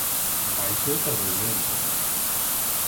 Baixo estadounidense.